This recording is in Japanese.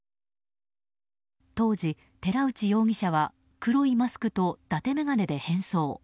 当時、寺内容疑者は黒いマスクとだて眼鏡で変装。